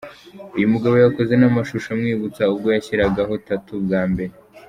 Uyu mugabo yakoze n’amashusho amwibutsa ubwo yishyiragaho tattoo bwa mbere.